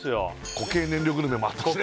固形燃料グルメもあったしね